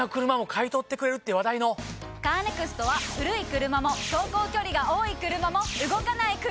カーネクストは古い車も走行距離が多い車も動かない車でも。